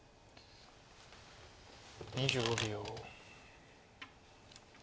２５秒。